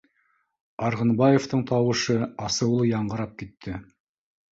— Арғынбаевтың тауышы асыулы яңғырап китте